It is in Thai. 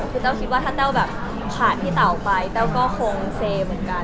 คือเจ้าคิดว่าถ้าเจ้าผ่านพี่เต๋าไปเจ้าก็คงเซเหมือนกัน